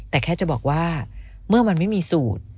แต่แค่จะบอกว่าเมื่อมันไม่มีสูตร